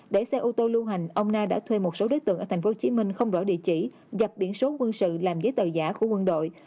để xe ô tô lưu hành ông na đã thuê một số đối tượng ở tp hcm không rõ địa chỉ gặp biển số quân sự làm giấy tờ giả của quân đội